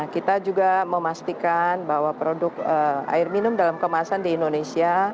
kita juga memastikan bahwa produk air minum dalam kemasan di indonesia